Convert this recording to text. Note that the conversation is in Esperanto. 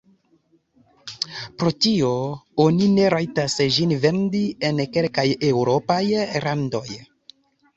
Pro tio oni ne rajtas ĝin vendi en kelkaj eŭropaj landoj.